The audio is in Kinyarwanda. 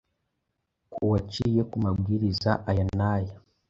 ku waciye ku mabwiriza aya n'aya,